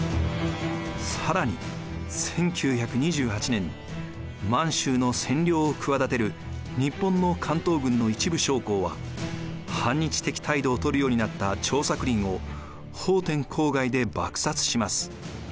更に１９２８年満州の占領を企てる日本の関東軍の一部将校は反日的態度を取るようになった張作霖を奉天郊外で爆殺します。